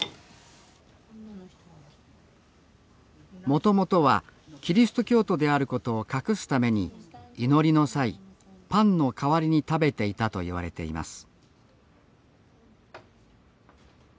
もともとはキリスト教徒である事を隠すために祈りの際パンの代わりに食べていたと言われています